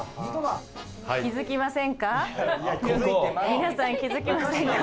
皆さん気付きませんか？